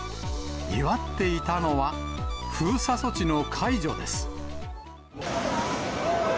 祝っていたのは、封鎖措置の解除です。